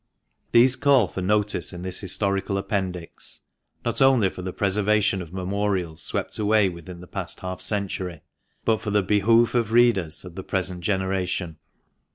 These call for notice in this historical appendix, not only for the preservation of memorials swept away within the past half century, but for the behoof of readers of the present generation.